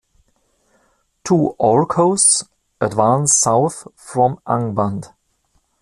Two Orc-hosts advance south from Angband.